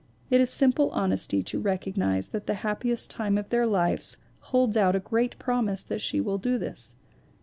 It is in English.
It is simple honesty to recognize that The Happiest Time of Their Lives holds out a great promise that she will do this.